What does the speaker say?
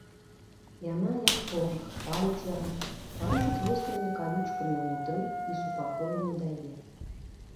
Яна, як порах, паліць яго, варушыць вострымі калючкамі ўнутры і супакою не дае.